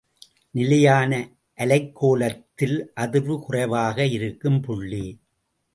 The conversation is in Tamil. நிலையான அலைக்கோலத்தில் அதிர்வு குறைவாக இருக்கும் புள்ளி.